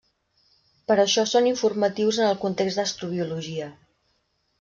Per això són informatius en el context d'astrobiologia.